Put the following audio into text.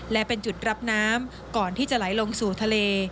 และเป็นจุดรับน้ำก่อนที่จะไหลลงสู่ทะเล